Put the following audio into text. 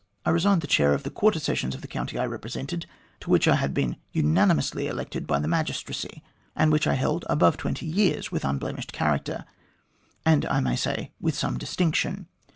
I resigned the Chair of the Quarter Sessions of the county I represented, to which I had been unanimously elected by the Magistracy, and which I held above twenty years with unblemished character, and I may say with some distinction.